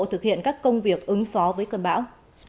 thực hiện các công việc ứng phó với cơn bão